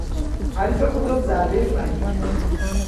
حریف خود را ضربهی فنی کرد.